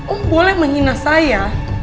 om boleh menghina saya